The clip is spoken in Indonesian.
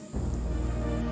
aku akan menghilangkan dirimu